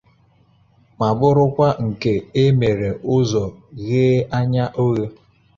ma bụrụkwa nke e mere n'ụzọ ghe anya oghe